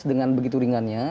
dengan begitu ringannya